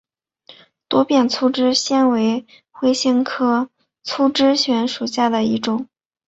多变粗枝藓为灰藓科粗枝藓属下的一个种。